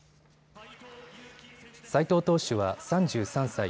斎藤投手は３３歳。